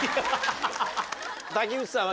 瀧内さんは？